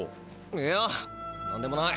いやなんでもない。